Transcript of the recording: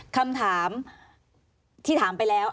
คำถามที่ถามไปแล้ว